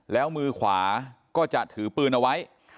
แล้วมือขวาก็จะถือปืนเอาไว้